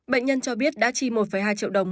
bệnh nhân cho biết đã chi một hai triệu đồng